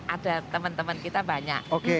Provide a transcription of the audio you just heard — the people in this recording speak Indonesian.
ada temen temen kita banyak